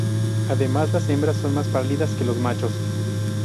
Además, las hembras son más pálidas que los machos.